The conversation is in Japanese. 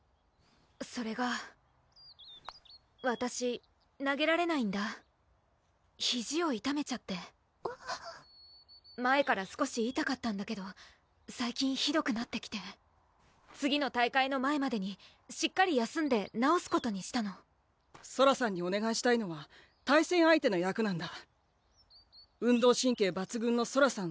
それがわたし投げられないんだひじをいためちゃって前から少しいたかったんだけど最近ひどくなってきて次の大会の前までにしっかり休んでなおすことにしたのソラさんにおねがいしたいのは対戦相手の役なんだ運動神経抜群のソラさん